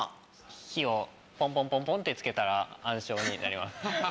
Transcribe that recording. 「日」をポンポンポンポンって付けたら「暗唱」になります。